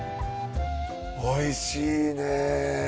おいしいね。